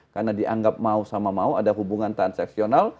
karena dianggap mau sama mau ada hubungan transseksional